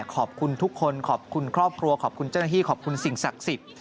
ขอบคุณทุกคนขอบคุณครอบครัวขอบคุณเจ้าหน้าที่ขอบคุณสิ่งศักดิ์สิทธิ์